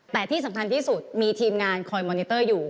แต่ที่สำคัญที่สุดมีทีมงานคอยมอนิเตอร์อยู่